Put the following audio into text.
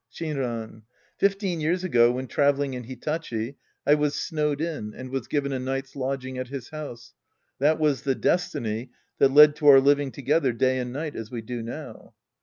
Shinran. Fifteen years ago, when traveling in Hitachi, I was snowed in and was given a night's lodging at his house. That was the destiny that led to our living together day and night as we do now.